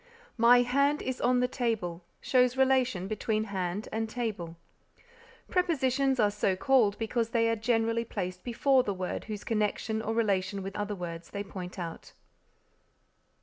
"My hand is on the table" shows relation between hand and table. Prepositions are so called because they are generally placed before the words whose connection or relation with other words they point out.